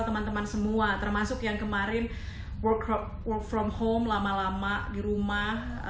teman teman semua termasuk yang kemarin work work from home lama lama di rumah